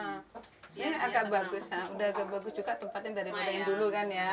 udah agak bagus juga tempatin daripada yang dulu kan ya